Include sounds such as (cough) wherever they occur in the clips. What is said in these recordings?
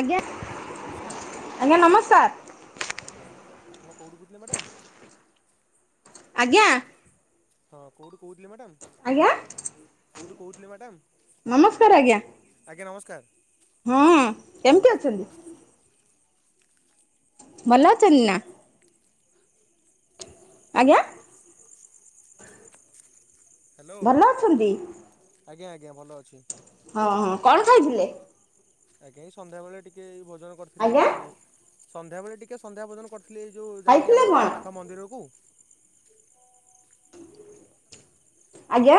ଆଜ୍ଞା। ଆଜ୍ଞା ନମସ୍କାର, ଆଜ୍ଞା ନମସ୍କାର ଆଜ୍ଞା ଆପଣ କୋଉଠୁ କହୁଥିଲେ ମ୍ୟାଡ଼ାମ? ଆଜ୍ଞା। ହଁ କେଉଁଠୁ କହୁଥିଲେ ମ୍ୟାଡ଼ାମ୍? କେଉଁଠୁ କହୁଥିଲେ ମ୍ୟାଡ଼ାମ? ନମସ୍କାର ଆଜ୍ଞା। ଆଜ୍ଞା ନମସ୍କାର। ହଁ, କେମିତି ଅଛନ୍ତି? ଭଲ ଅଛନ୍ତି ନା? ଆଜ୍ଞା। ହାଲୋ, ଭଲ ଅଛନ୍ତି ଆଜ୍ଞା ଆଜ୍ଞା ଭଲ ଅଛି। ହଁ ହଁ କଣ ଖାଇଥିଲେ? ଆଜ୍ଞା ଏଇ ସନ୍ଧ୍ୟାବେଳେ ଟିକେ ଭୋଜନ କରିଥିଲି ଆଜ୍ଞା ସନ୍ଧ୍ୟାବେଳେ ଟିକେ ସନ୍ଧ୍ୟା ଭୋଜନ କରି ଥିଲି ଏ ଯଉ ଯାଇକି ଖାଇଥିଲେ ଆମ କଣ ପାଖ ମନ୍ଦିରକୁ। ଆଜ୍ଞା।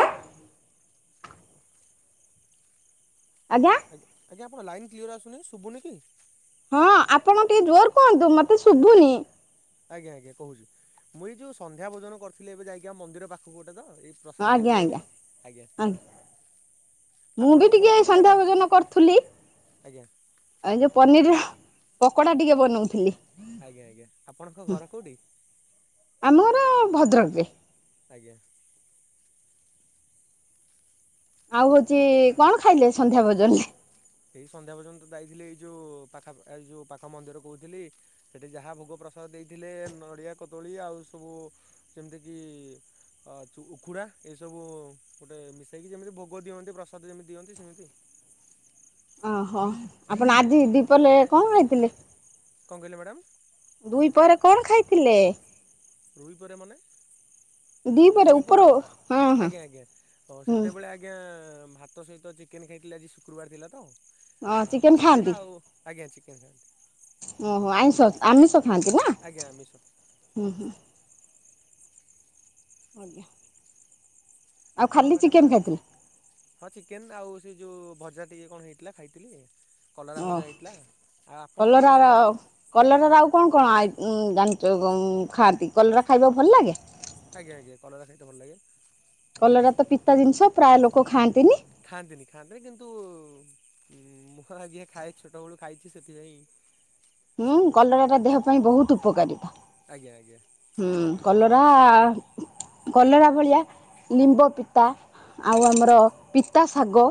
ଆଜ୍ଞା। ଆଜ୍ଞା ଆପଣ ଲାଇନ୍ କ୍ଲିୟର ଆୁନି ଶୁଭୁନି କି ହଁ ଆପଣ ଟିକେ ଜୋର କୁହନ୍ତୁ! ମତେ ଶୁଭୁନି? ଆଜ୍ଞା ଆଜ୍ଞା କହୁଛି ମୁଁ ଏଇ ଯୋଉ ସନ୍ଧ୍ୟା ଭୋଜନ କରିଥିଲି ଏବେ ଯାଇକି ଆମ ମନ୍ଦିର ପାଖକୁ ଗୋଟେ ତ ଏ ଆଜ୍ଞା, ଆଜ୍ଞା, ଆଜ୍ଞା। ମୁଁ ବି ଆପଣଙ୍କ ଘର ଟିକେ କୋଉଠି ସନ୍ଧ୍ୟା ମ୍ୟାଡ଼ାମ୍ ଭୋଜନ କରୁଥିଲି। ଆଜ୍ଞା ଏ ଯେଉଁ ପନିର ପକୋଡ଼ା ଟିକେ ବନଉଥିଲି। ଆଜ୍ଞା ଆଜ୍ଞା ଆପଣଙ୍କ ଘର କୋଉଠି? ଆମ ଘର ଭଦ୍ରକରେ। ଆଜ୍ଞା। ଆଉ ହଉଛି କଣ ଖାଇଲେ ସନ୍ଧ୍ୟା ଭୋଜନରେ? ଏଇ ସନ୍ଧ୍ୟା ଭୋଜନ୍ ତ ଯାଇଥିଲି ଏଇ ଯୋଉ ପାଖ ଏ ଯୋଉ ପାଖ ମନ୍ଦିର କହୁଥିଲି। ସେଠି ଯାହା ଭୋଗ ପ୍ରସାଦ ଦେଇଥିଲେ ନଡ଼ିଆ କଦଳୀ ଆଉ ସବୁ ଯେମିତିକି ଆ ଉଖୁଡ଼ା ଏଇସବୁ ଗୋଟେ ମିଶାଇକି ଯେମିତି ଭୋଗ ଦିଅନ୍ତି ପ୍ରସାଦ ଯେମିତି ଦିଅନ୍ତି ସେମିତି (unintelligible) ଓହୋ ଆପଣ ଆଜି ଆଜ୍ଞା ଦୀପରେ କନ୍ ଖାଇଥିଲେ? କଣ କହିଲେ ମ୍ୟାଡ଼ାମ। ଦୁଇ ପହରେ କଣ ଖାଇଥିଲେ? ଦୁଇ ପହରେ ମାନେ ଦିପହରେ ଦୁଇ ଉପର ପହରେ ହଁ ହଁ ଆଜ୍ଞା ଆଜ୍ଞା ହୁଁ ସେତେବେଳେ ଆ ଆଜ୍ଞା ଭାତ ସହିତ ଚିକେନ ଖାଇଥିଲି ଆଜି ଶୁକ୍ରବାର ଥିଲା ତ ହଁ ଚିକେନ ଭାତ ଚିକେନ୍ ଖାଆନ୍ତି। ଆଉ ଆଜ୍ଞା ଚିକେନେ ଓହୋ ଆଇଁସ ଆମିଷ ଖାଆନ୍ତି ନା ଆଜ୍ଞା ଆମିଷ ହୁଁ (unintelligible) ଆଉ ଆପଣ ଖାଲି ମ୍ୟାଡ଼ମ ଚିକେନ ଖାଆନ୍ତି ଖାଇଥିଲେ? ହଁ ଚିକେନ୍ ଆଉ ସେ ଯୋଉ ଭଜା ଟିକେ କଣ ହେଇଥିଲା ଖାଇଥିଲି କଲରା ଓ ଭଜା ହେଇଥିଲା ଆଉ ଆପଣ କଲରାର ମ୍ୟାଡ଼ାମ୍ କଲରାର ଆଉ କଣ କଣ ଜାଣିଛ ଖାଆନ୍ତି କଲରା ଖାଇବାକୁ ଭଲ ଲାଗେ। ଆଜ୍ଞା ଆ୍ଞା କଲରା ଖାଇତ ଭଲ ଲାଗେ କଲରା ତ ପିତା ଜିନିଷ ପ୍ରାୟ ଲୋକ ଖାଆନ୍ତିନି ଖାଆନ୍ତିନି ଖାଆନ୍ତିନି କିନ୍ତୁ ମୁଁ ଆଜ୍ଞା ଖାଏ ଛୋଟବେେଳୁ ଖାଇଛି ସେଥିପାଇଁ ହୁଁ କଲରା ଟା ଦେହ ପାଇଁ ବହୁତ ଉପକାରି ଆଜ୍ଞା ଆଜ୍ଞା ହୁଁ କଲରା କଲରା ଭଳିଆ ଲିମ୍ବ ପିତା ଆଉ ଆଜ୍ଞା ଆମର ପିତା ଶାଗ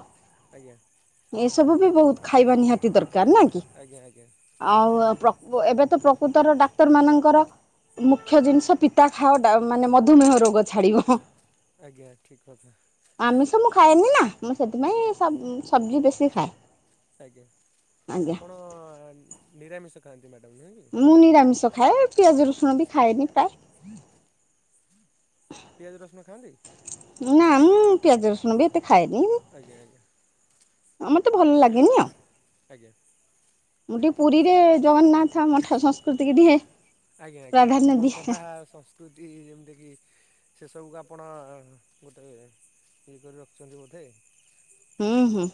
ଆଜ୍ଞା ଏସବୁ ବି ବହୁତ ଖାଇବା ନିହାତି ଦରକାର ନା ଆଜ୍ଞା ଆଜ୍ଞା ଆଉ ପ୍ରକୁ ଏବେ ତ ପ୍ରକୃତର ଡାକ୍ତରମାନଙ୍କର ମୁଖ୍ୟ ଜିନିଷ ପିତା ଖାଅ ମାନେ ମଧୁମେହ ରୋଗ ଛାଡିବ ଆଜ୍ଞା ଠିକ୍ କଥା। ଆମିଷ ମୁଁ ଖାଏନି ନା ମୁଁ ସେଥିପାଇଁ ସବ ସବଜି ବେଶୀ ଖାଏ। ଆଜ୍ଞା ଆଜ୍ଞା ଆପଣ ନିରାମିଷ ଖାଆନ୍ତି ମ୍ୟାଡ଼ାମ୍ ନୁହେଁ କି ମୁଁ ନିରାମିଷ ଖାଏ ଆଉ ପିଆଜ ରସୁଣ ବି ଖାଏନି ପ୍ରାୟ ପିଆଜ ରସୁଣ ଖାଆନ୍ତି? ନା ମୁଁ ପିଆଜ ରସୁଣ ବି ଏତେ ଖାଇଏନି ଆଜ୍ଞା ଆ୍ଞା ଆମତେ ଭଲ ଲାଗେନି ଆଉ ଆଜ୍ଞା ଗୋଟେ ପୁରୀରେ ଜଗନ୍ନାଥ ମଠା ସଂସ୍କୃତିକ ଟିଏ ଆଜ୍ଞା ଆଜ୍ଞା ପରମ୍ପରା ସଂସ୍କୃତି ଯେମିତି କି। ସେସବୁକୁ ଆପଣ ଗୋଟେ ଇଏ କରି ରଖିଛନ୍ତି ବୋଧେ ହୁଁ ହୁଁ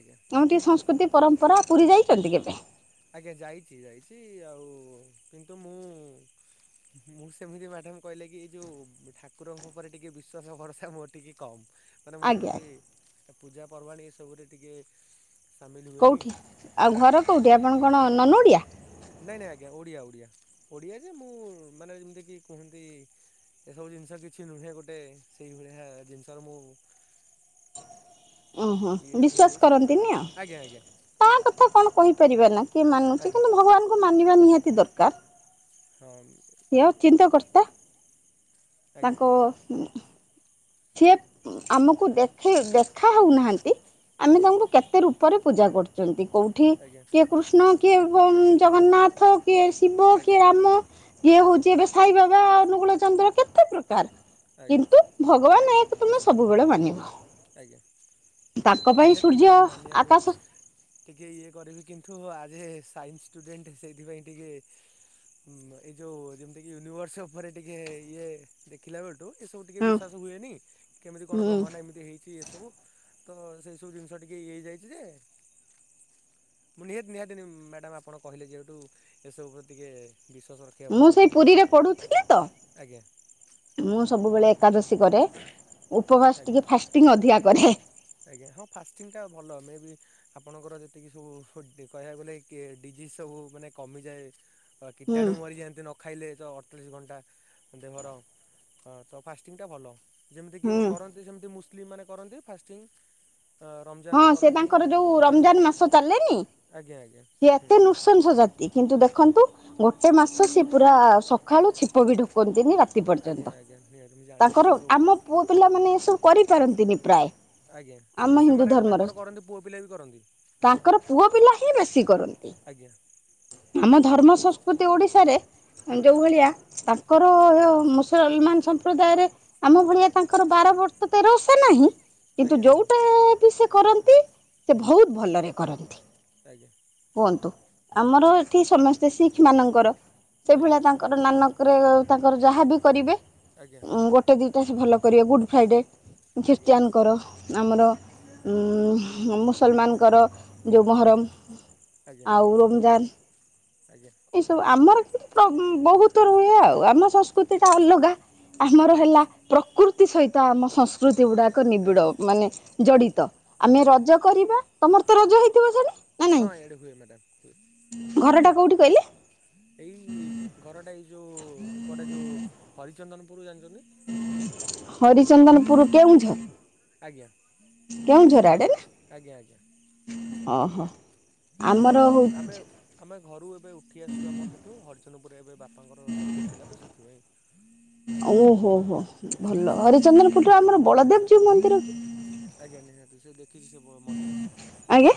ଆଜ୍ଞା। ଆମ ଟିକଏ ସଂସ୍କୃତି ପରମ୍ପରା ପୁରୀ ଯାଇଛନ୍ତି କେବେ ଆଜ୍ଞା ଯାଇଛି ଯାଇଛି ଆଉ କିନ୍ତୁ ମୁଁ ମୁଁ ସେମିତି ମ୍ୟାଡାମ କହିଲେ କି ଏଇ ଯୋଉ ଠାକୁରଙ୍କ ଉପରେ ଟିକେ ବିଶ୍ଵାସ ଭରସା ମୋର ଟିକେ କମ ମାନେ ମୁଁ ଆଜ୍ଞା ସେମିତି ପୂଜା ପର୍ବାଣି ଏସବୁରେ ଟିକେ ସାମିଲ ହୁଏନି କୋଉଠି ଆଉ ଘର କୋଉଠି ଆପଣ କଣ ନନ ଓଡ଼ିଆ ନାଇଁ ନାଇଁ ଆଜ୍ଞା ଓଡ଼ିଆ ଓଡ଼ିଆ ଓଡ଼ିଆ ଯେ ମୁଁ ମାନେ ଯେମିତିକି କୁହନ୍ତି ଏସବୁ ଜିନିଷ କିଛି ନୁହେଁ ଗୋଟେ ସେଇଭଳିଆ ଜିନିଷର ମୁଁ ଓହୋ ଇଏ ଟିକେ ବିଶ୍୍ୱାସ ହେଇଯାଇଛି ସେଠି କରନ୍ତିନି ଆଉ। ଆଜ୍ଞା ତା କଥା କଣ କହିପାରିବା ନା କିଏ ଆଜ୍ଞା ମାନୁଛି ଆଜ୍ଞା କିନ୍ତୁ ଭଗବାନଙ୍କୁ ମାନିବା ନିହାତି ଦରକାର। ହଁ। କିଆ ଚିନ୍ତା କରତା। ଆଜ୍ଞା ତାଙ୍କ ସିଏ ଆମକୁ ଦେଖ ଦେଖା ହେଉନାହାନ୍ତି ଆମେ ଆଜ୍ଞା ତାଙ୍କୁ କେତେ ରୂ ପରେ ପୂଜା କରୁଛନ୍ତି କୋଉଠି ଆଜ୍ଞା କିଏ କୃଷ୍ଣ କିଏ ହୁ ଜଗନ୍ନାଥ। କିଏ ଶିବ ଆଜ୍ଞା ଆଜ୍ଞା କିଏ ରାମ କିଏ ଆଜ୍ଞା ହଉଛି ବେ ସାଇବା ବା ଅନୁଗୂଳ ଚନ୍ଦ୍ର କେତେ ପ୍ରକାର ଆଜ୍ଞା ଆଜ୍ଞା କିନ୍ତୁ ଭଗବାନ ଏୟାକୁ ତୁମେ ସବୁବେଳେ ମାନିବ। ଆଜ୍ଞା ତାଙ୍କ ପାଇଁ ନିହାତି ସୂର୍ଯ୍ୟ ମ୍ୟାଡ଼ାାମ ମାନୀବାକୁ ଆକାଶ ଟିକେ ଇଏ କରିବି କିନ୍ତୁ ଆଜ ଏ ସାଇନ୍ସ ଷ୍ଟୁଡେଣ୍ଟ ସେଇଥିପାଇଁ ଟିକଏ ହୁଁ ଏଇ ଯୋଉ ଯେମିତି କିି ୟୁନିଭର୍ସ ଉପରେ ଟିକେ ଇଏ ଦେଖିଲା ବେଳଠୁ ଏସବୁ ଟିକେ ହଁ ବିଶ୍ୱାସ ହୁଏନି କେମିତି କଣ ହୁଁ ବ୍ରହ୍ମାଣ୍ଡ ଏମିତି ହେଇ ଚି ଇଏ ସବୁ ତ ସେଇ ସବୁ ଜିନିଷ ଟିକେ ଇଏ ହେଇଯାଇଛି ଯେ ମୁଁ ନିହାତି ନିହାତି ମ୍ୟାଡାାମ ଆପଣ କହିଲେ ଯେହେତୁ ଏସବୁ ଉପରେ ଟିକେ ବିଶ୍ଵାସ ର ମୁଁ ସେଇ ପୁରୀରେ ପଢୁଥିଲି ତ ଆଜ୍ଞା ମୁଁ ସବୁବେଳେ ଏକାଦଶୀ କରେ ଉପବାସ ଆଜ୍ଞା। ଟିକେ ଫାଷ୍ଟିଙ୍ଗ୍ ଅଧିକା କରେ। ଆଜ୍ଞା ହଁ ଫାଷ୍ଟିଙ୍ଗ୍ ଟା ଭଲ ମେ ବି ଆପଣଙ୍କର ଯେତିକି ସବୁ ହୁ କହିବାକୁ ନେଇକି ଡିଜିଜ୍ ସବୁ ମାନେ କମିଯାଏ। ହ ହୁଁ କୀଟାଣୁ ମରିଯାଆନ୍ତିୁ ନ ଖାଇଲେ ତ ଅଠଚାଳିଶ ଘଣ୍ଟା ଦେହର ତ ଫାଷ୍ଟିଙ୍ଗଟା ଭଲ। ଯେମିତି ହୁଁ କରନ୍ତି ସେମ୍ତି ମୁସ୍ଲିମ୍ ମାନ କରନ୍ତି ଫାଷ୍ଟିଙ୍ଗ୍ ହଁ ରମ୍ ହଁ ସେ ତାଙ୍କର ଯୋଉ ରମ୍ଜାନ୍ ମାସ ଚାଲେନି ଆଜ୍ଞା ଆଜ୍ଞା ସିଏ ହୁଁ ଏତେ ନୃ ସଶଂ ଜାତି କିନ୍ତୁ ଦେଖନ୍ତୁ ଗୋଟେ ମାସ ସିଏ ପୁରା ସକାଳୁ ଛିପ ବି ଢୁକନ୍ତିନି ରା ତି ଆଜ୍ଞା ପର୍ଯ୍ୟନ୍ତ ଆଜ୍ଞା ନିହାତି ମୁଁ ଜାଣିଛି ତାଙ୍କର ସେସବୁ ଆମ ପୁଅ ପିଲାମାନେ ଏସବୁ କରିପାରନ୍ତି ନି ପ୍ରାୟେ। ଆଜ୍ଞା କିନ୍ତୁ ସେମାନେ ମରସ ତାଙ୍କର କରନ୍ତି ପୁଅ ପିଲା ବି କରନ୍ତି ତାଙ୍କର ପୁଅ ପିଲା ହିଁ ବେଶୀ କରନ୍ତି। ଆଜ୍ଞା ଆମ ଧର୍ମ ସଂସ୍କୃତି ଓଡିଶାରେ ହୁଁ ଯୋଉ ଭଳିଆ ଆ ଙ୍କର ମୁସଲମାନ୍ ସମ୍ପ୍ରଦାୟରେ। ଆମ ଭଳିଆ ତାଙ୍କର ବାର ବର୍ଷ ତେର ଓଷା ନାହିଁ। କିନ୍ତୁ ଆଜ୍ଞା ନାହିଁ ଯୋଉଟା ବି ସେ କରନ୍ତି ସେ ହୁଁ ଭୋହୁତ୍ ଭଲରେ କରନ୍ତି। ଆଜ୍ଞା କୁହନ୍ତୁ ଆମର ଏଠି ସମସ୍ତେ ଶିଖ୍ ମାନଙ୍କର ସେଭଳିଆ ଆଜ୍ଞା ତାଙ୍କ୍ ଙ୍କର ନାନକରେ ତାଙ୍କର ଯାହାବି କରିବେ ଆଜ୍ଞା ଗୋଟେ ଦୁଇଟା ସେ ଭଲ କରିବା ଗୁଡ଼୍ ଫ୍ରାଇଡ଼େ ଆଜ୍ଞା ଖ୍ରୀଷ୍ଟିଆନଙ୍କର ଆମର ଉଁ ହୁଁ ମୁସଲ୍ମାନ୍ ଙ୍କର। ଯୋଉ ମହରମ ଆଜ୍ଞା ଆଜ୍ଞା ଆଉ ରମ୍ଜାନ୍। ଆଜ୍ଞା ଏଇସବୁ ଆମର ବୋହୁତ୍ ଥର ହୁଏ ଆଉ ଆମ ସଂସ୍କୃତିଟା ଅଲଗା। ଆମର ଆଜ୍ଞା ହେଲା ପ୍ରକୃତି ସହିତ ଆମ ସଂସ୍କୃତି ଗୁଡାକ ନିବିଡ ଆଜ୍ଞା ମାନେ ଜଡିତ ଆମେ ଆଜ୍ଞା ରଜ କରିବା ତମର୍ତ ରଜ ହେଇଥିବ ସିଆଡେ। ହଁ ଏଇଆଡେ ହୁଏ ମ୍ୟାଡ଼ାମ୍ ହୁଏ। ଘରଟା କୋଉଠି କହିଲେ। ଏଇ ଘରଟା ଏଇ ଯୋଉ ଏପଟେ ଯୋଉ ହରିଚନ୍ଦନ୍ପୁର ଜାଣିଚନ୍ତି। ହରିଚନ୍ଦନପୁର କେଉଁଝର ଆଜ୍ଞା କେଉଁଝର ଆଡେ ଆଜ୍ଞା ଆଜ୍ଞା ନା ଓହୋ ଆମର ଆମେ ଆମେ ଘରୁ ଏବେ ଉଠି ଆସିଚୁ ଆମର ସେଠୁ ହରିଚନପୁରରେ ଏବେ ବାପାଙ୍କର ଚାକିରି ଥିଲା ତ ସେଥିପାଇଁ ଓହୋ ହୋ ଭଲ ହରିଚନ୍ଦ୍ରପୁରଟା ଆମର ବଳଦେବ ଜୀଉ ମନ୍ଦିର ଆଜ୍ଞା ନିହାତି ସେ ଦେଖିଛି ସେ ମନ୍ଦିର ଆଜ୍ଞା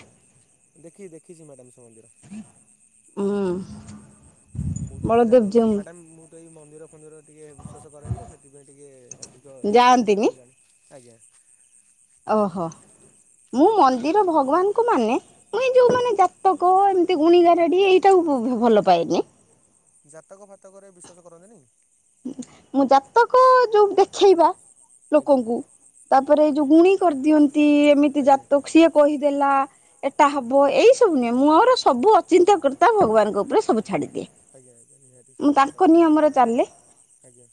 ଦେଖି ଦେଖିଛି ମ୍ୟାଡ଼ାମ ସେ ମନ୍ଦିର। ହଁ ମୁଁ ତ ସାର୍ ମ୍ୟାଡାମ ମୁଁ ତ ଏଇ ମନ୍ଦିର ଫନ୍ଦିର ଟିକେ ବିଶ୍ଵାସ କରେନି ତ ସେଥିପାଇଁ ଟିକେ ଅ ଉଦୟ ଏସବୁ ଯାଆନ୍ତିନି ବିଷୟରେ ମୁଁ ଜାଣି ଆଜ୍ଞା ଓହୋ ମୁଁ ମନ୍ଦିର ଭଗବାନଙ୍କୁ ମାନେ ମୁ ଏ ଆଜ୍ଞା ଯୋଉମାନେ ଯା ତକ ଏମିତି ଗୁଣିଗାରେଡ଼ି ଏଇଟାକୁ ଭଲ ପାଏନି। ଜାତକ ଫାତକ ରେ ବିଶ୍ଵାସ କରନ୍ତିନି। ମୁଁ ଜାତକ ଯୋଉ ଦେଖେଇବା ଆଜ୍ଞା ଲୋକଙ୍କୁ ତାପରେ ଏଇ ଯୋଉ ଗୁଣି କରିଦିଅନ୍ତି। ଏମିତି ଆଜ୍ଞା ଜାତକ ସିଏ କହିଦେଲା ଏଟା ଆଜ୍ଞା ହବ ଏଇ ତୁମେ ମୋର ସବୁ ଅଚିନ୍ତାକର୍ତ୍ତା ଭଗବାନଙ୍କ ଉପରେ ସବୁ ଛାଡ଼ିଦିଏ, ଆଜ୍ଞା ଆଜ୍ଞା ନିହାତି ମୁଁ ସେଇଟା ତାଙ୍କ ରହିବା ଦରକାର ନିୟମର ଚାଲେ ଆଜ୍ଞା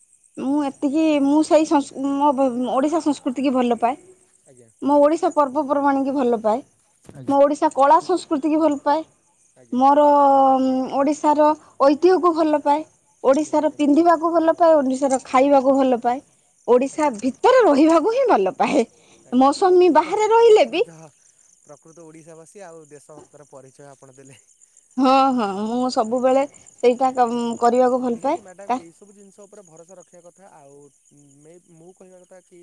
ମୁଁ ଏତିକି ମୁଁ ସେଇ ସଂସ୍ ମୋ ଓଡ଼ିଶା ସଂସ୍କୃତିକୁ ଭଲ ପାଏ। ଆଜ୍ଞା। ମୋ ଓଡ଼ିଶା ପର୍ବପର୍ବାଣ କି ଭଲ ପାଏ ଆଜ୍ଞା। ମୋ ଓଡ଼ିଶା କଳା ସଂସ୍କୃତିକି ଭଲ ପାଏ। ଆଜ୍ଞା ମୋର ଓଡିଶାର ଐତିହ୍ୟକୁ ଭଲ ପାଏ ଓଡିଶାର ନିହାତି ମ୍ୟାଡ଼ାମ୍ ପିନ୍ଧିବା ମୁଁ ଭଲ ପାଏ ଓଡିଶାର ଆଜ୍ଞା ଖାଇବାକୁ ଭଲ ପାାଏ ଓଡିଶା ଆଜ୍ଞା ଭିତରେ ରହିବାକୁ ହିଁ ଭଲ ପାଏ। ମୋ ଆଜ୍ଞା ସ୍ୱାମୀ ପ୍ରକୃତ ବାହାରେ ରହିଲେ ବି ପ୍ରକୃତ ପ୍ରକୃତ ଓଡିଶାବାସୀ ଆଉ ଦେଶ ଭକ୍ତର ପରିଚୟ ଆପଣ ଦେଲେ। ହଁ ହଁ ମୁଁ ଆଜ୍ଞା ସବୁବେଳେ ସେଇଟା ଏକା ନିହାତି ମ୍ୟାଡାମ ଏଇ ସବୁ ଜିନିଷ ଉପରେ ଭରସା ରଖିବା କଥା ଆଉ ମୁଁ କହିବା କଥା କି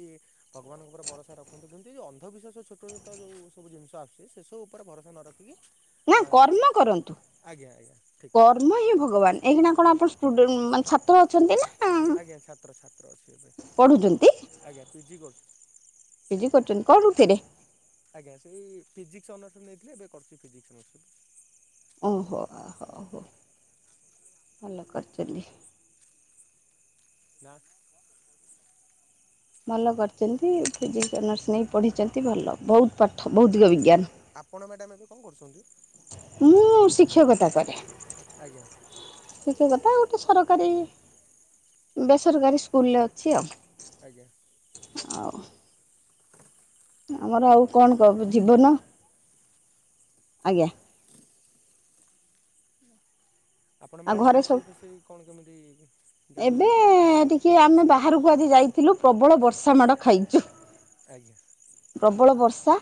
ଭଗବାନଙ୍କ ଉପରେ ଭରସା ରଖୁନ୍ତୁ କିନ୍ତୁ ଏ ଅନ୍ଧବିଶ୍ୱାସ ଛୋଟ ଛୋଟ ଯୋଉ ସବୁ ଜିନିଷ ଆସୁଚି ସେସବୁ ଉପରେ ଭରସ ନ ରଖି ନା ଅ କର୍ମ କରନ୍ତୁ ଆଜ୍ଞା ଆଜ୍ଞା ଠିକ୍ କର୍ମ ହିଁ ଭଗବାନ୍ ଏହିନା କଣ ଆପଣ ସ୍ଟୁଡେଣ୍ଟ ମାନେ ଛାତ୍ର ଅଛନ୍ତି ନା। ଆଜ୍ଞା ଛାତ୍ର ଛାତ୍ର ଅଛି ଏବେ ପଢୁଛନ୍ତି ଆଜ୍ଞା ପିଜି କରୁଛି, ଫିଜି କରୁଛନ୍ତି କରୁଥିବେ? ଆଜ୍ଞା ସେଇ ଫିଜିକ୍ସ ଅନର୍ସରେ ନେଇଥିଲେ ଏବେ କରୁଛି ଫିଜିକ୍ସ ଅନର୍ସରେ ଓହୋ ହଉ ହଉ ଭଲ କରିଛନ୍ତି। ନା ଭଲ କରିଛନ୍ତି ଫିଜିକ୍ସ ଅନର୍ସ ନେଇ ପଢ଼ିଛନ୍ତି ଭଲ ବହୁତ୍ ପାଠ ଭୌତିକ ବିଜ୍ଞାନ। ଆପଣ ମ୍ୟାଡ଼ାାମ ଏବେ କଣ କରୁଛନ୍ତି? ମୁଁ ଶିକ୍ଷକତା କରେ। ଆଜ୍ଞା ଶିକ୍ଷକତା ଆଉ ଗୋଟେ ସରକାରୀ ବେସରକାରୀ ସ୍କୁଲରେ ଅଛି ଆଉ। ଆଜ୍ଞା। ଆଉ ଆମର ଆଉ କଣ କ ଜୀବନ ଆଜ୍ଞା। ଆପଣ ଆଉ ମ୍ୟାଡ଼ାମ୍ ଘରେ ସବୁ ରୋଷେଇ ଫୋଷେଇ କଣ କେମିତି ଏବେ ଜାଣିଛନ୍ତି? ଟିକେ ଆମେ ବାହାରକୁ ଆଜି ଯାଇଥିଲୁ ପ୍ରବଳ ବର୍ଷା ମାଡ଼ ଖାଇଚୁ। ଆଜ୍ଞା। ପ୍ରବଳ ବର୍ଷା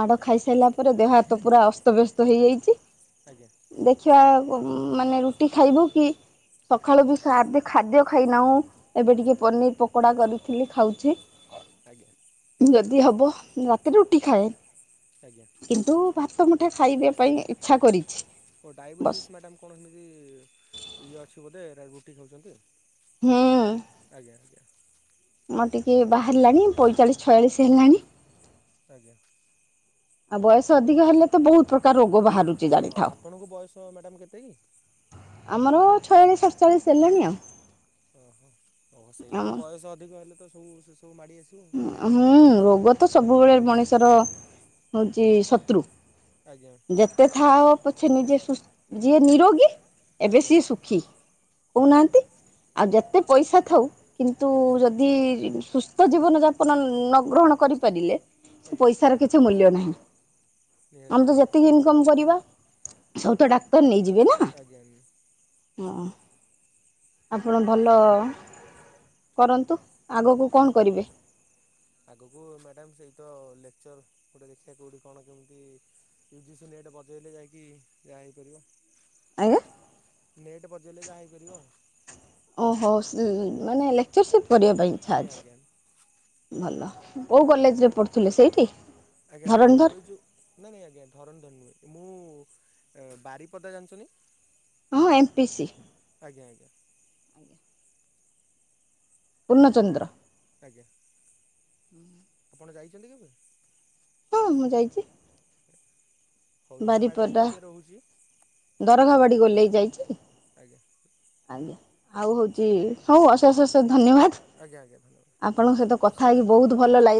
ମାଡ଼ ଆଜ୍ଞା ଖାଇସାରିଲା ପରେ ଦେହ ହାତ ପୁରା ଅସ୍ତବ୍ୟସ୍ତ ହେଇଯାଇଚି। ଆଜ୍ଞା। ଦେଖିବା ପ ମାନେ ରୁଟି ଖାଇବୁ କି ସଖାଳୁ ବି ଖାଦେ ଖାଦ୍ୟ ଖାଇନାଉଁ। ଏବେ ଟିକେ ପନିର ପକୋଡା କରିଥିଲି ଖାଉଛି। ଆଜ୍ଞା। ଯଦି ହବ ରାତି ରୁଟି ଖାଏ। ଆଜ୍ଞା! କିନ୍ତୁ ଭାତ ମୁଠାଏ ଖାଇବେ ପାଇଁ ଇଚ୍ଛା କରିଛି। ଓ ବସ୍ ଡାଇବେଟିସ୍ ମ୍ୟାଡ଼ମ୍ କଣ ଏମିତି ଇଏ ଅଛି ବୋଧେ ରା ରୁଟି ଖାଉଊନ୍ତି। ହୁଁ। ଆଜ୍ଞା ଆଜ୍ଞା। ମୋର ଟିକେ ବାହାରିଲାଣି ପଇଁଚାଳିଶ ଛୟାଳିଶ ହେଲାଣି। ଆଜ୍ଞା। ଆଉ ବୟସ ଅଧିକ ହେଲେ ତ ବହୁତ୍ ପ୍ରକାର ରୋଗ ବାହାରୁ ହଁ ଆପଣଙ୍କୁ ବୟସ ମ୍ୟାଡ଼ାମ୍ କେତେ କି? ଆମର ଛୟାଳିଶ୍ ସତଚାଳିଶ୍ ହେଲେଣି ଆଉ। ଓହୋ ଓହୋ ସେଇଥିରୁ ବୟସ ଅଧିକ ହେଲେ ତ ସବୁ ସେ ସବୁ ମାଡ଼ି ଆସିବ ଆଉ। ହୁଁ ରୋଗ ତ ସବୁବେଳେ ମଣିଷର ହଉଚି ଶତ୍ରୁ। ଆଜ୍ଞା। ଯେତେ ଥାହ ପଛେ ନିଜେ ସୁସ୍ ଯିଏ ନିରୋଗୀ ଏବେ ଆଜ୍ଞା ସିଏ ସୁଖୀ ଆଜ୍ଞା କଉନାହାନ୍ତି। ଆଉ ଆଜ୍ଞା ଯେତେ ପଇସା ଥାଉ କିନ୍ତୁ ଆଜ୍ଞା ଯଦ୍ ଦି ସୁସ୍ଥ ଜୀବନଯାପନ ନ ଗ୍ରହଣ କରିପାରିଲେ ଆଜ୍ଞା ପଇସାର କି ଛି ମୂଲ୍ୟ ନାହିଁ। ଆମେ ନିହାତି ତ ଯେତିକି ଇନକମ କରିବା ସବୁ ତ ଡାକ୍ତର ନେଇ ଯିବେ ନା। ଆଜ୍ଞା ହଁ ଆପଣ ଭଲ କରନ୍ତୁ। ଆଗକୁ ଆଜ୍ଞା କଣ କରିବେ? ଆଗକୁ ମ୍ୟାଡ଼ାମ୍ ସେଇତ ଲେକ୍ଚର ଗୋଟେ ଦେଖିବା କୋଉଠି କଣ କେମ୍ତି ୟୁଜିସି ନେଟ୍ ବଜେଇଲେ ଯାଇକି ଯାହା ହେଇପାରିବ। ଆଜ୍ଞା? ନେଟ୍ ବଜେଇଲେ ଯାହା ହେଇପାରିବ ଆଉ। ଓହୋ ସେ ମାନେ ଲେକ୍ଚରସିପ୍ କରିବା ପାଇଁ ଇଚ୍ଛା ଆଜ୍ଞା ଅଛି। ଆଜ୍ଞା ଭଲ କଉ କଲେଜରେ ପଢ଼ୁଥିଲେ ସେଇଠି? ଆଜ୍ଞା ନାଇଁ ଧରଣୀଧର ମୁଁ ଏ ଯଉ ନାଇଁ ନାଇଁ ଆଜ୍ଞା ଧରଣୀଧର ନୁହେଁ। ମୁଁ ଏ ବାରିପଦା ଜାଣିଚନ୍ତି? ହଁ ଏମ୍ ପି ସି। ଆଜ୍ଞା ଆଜ୍ଞା। ଆଜ୍ଞା ପୂର୍ଣ୍ଣଚନ୍ଦ୍ର। ଆଜ୍ଞା। ହୁଁ। ଆପଣ ଯାଇଚନ୍ତି କେବେ? ହଁ ମୁଁ ଯାଇଚି। ହଉ ତାହେଲେ ମ୍ୟାଡ଼ାମ୍ ବାରିପଦା ଟିକେ ରହୁଛି ଦରଗା ବାଡ଼ି ଗୋଲେଇ ଯାଇଛି। ଆଜ୍ଞା। ଆଜ୍ଞା ଆଉ ହେଉଛି। ହଉ ଅଶେଷ ଅଶେଷ ଧନ୍ୟବାଦ। ଆଜ୍ଞା ଆଜ୍ଞା ଧନ୍ୟବାଦ ଆପଣଙ୍କ ସହିତ ଦଶ କଥା ମିନିଟ୍ ହେଇକି ହେଲେ ବହୁତ ଭଲ ମୁଁ ଲାଗି